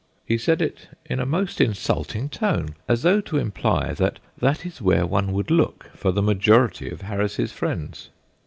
He said it in a most insulting tone, as though to imply that that is where one would look for the majority of Harris's friends.